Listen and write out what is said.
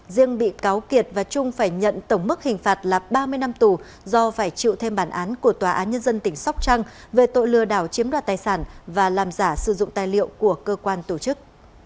riêng bị cáo kiệt và trung phải nhận tổng mức hình phạt là ba mươi năm tù do phải chịu thêm bản án của tòa án nhân dân tỉnh sóc trăng về tội lừa đảo chiếm đoạt tài sản và làm giả sử dụng tài liệu của cơ quan tổ chức